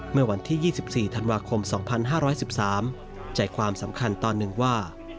เมื่อวันที่๒๔ธันวาคม๒๕๑๓ใจความสำคัญตอนหนึ่งว่า